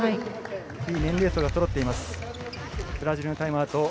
広い年齢層がそろっています。